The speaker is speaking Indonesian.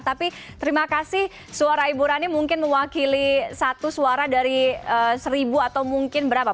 tapi terima kasih suara ibu rani mungkin mewakili satu suara dari seribu atau mungkin berapa